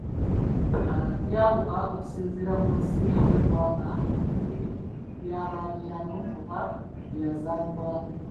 Byawuka okusinziira ku nsi oba eggwanga oli byaba abeeramu oba bye yazaalibwamu.